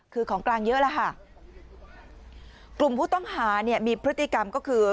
คือของกลางเยอะแล้วค่ะกลุ่มผู้ต้องหาเนี่ยมีพฤติกรรมก็คือ